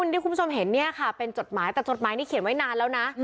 ที่คุณผู้ชมเห็นเนี่ยค่ะเป็นจดหมายแต่จดหมายนี้เขียนไว้นานแล้วนะ